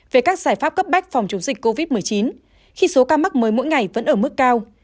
về các giải pháp cấp bách phòng chống dịch covid một mươi chín khi số ca mắc mới mỗi ngày vẫn ở mức cao